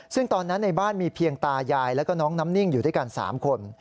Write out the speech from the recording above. ซึ่งตอนนั้นในบ้านมีเพียงตายายแล้วก็น้องน้ำนิ่งอยู่ด้วยกัน๓คน